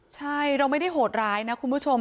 ใช่เราไม่ได้โหดร้ายนะคุณผู้ชม